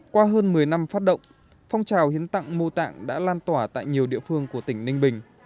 qua hơn một mươi năm phát động phong trào hiến tặng mô tạng đã lan tỏa tại nhiều địa phương của tỉnh ninh bình